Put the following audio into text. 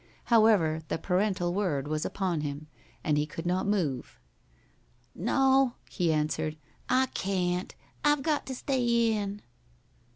However, the parental word was upon him, and he could not move. "No," he answered, "I can't. I've got to stay in."